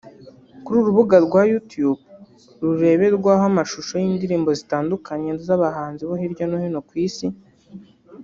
Ku rubuga rwa Youtube rureberwaho amashusho y’indirimbo zitandukanye z’abahanzi bo hirya no hino ku isi